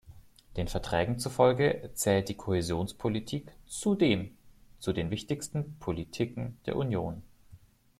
Den Verträgen zufolge zählt die Kohäsionspolitik zudem zu den wichtigsten Politiken der Union.